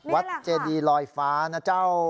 วัดเจดีรอยฟ้านะเจ้า